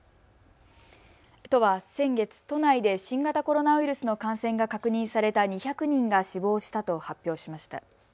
都は先月、都内で新型コロナウイルスの感染が確認された２００人が死亡したと発表しました。